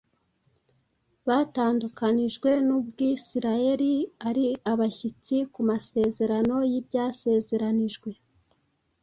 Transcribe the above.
batandukanijwe n’Ubwisirayeri, ari abashyitsi ku masezerano y’ibyasezeranijwe,